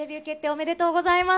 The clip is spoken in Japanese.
おめでとうございます。